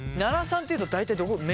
７３っていうと大体どこ？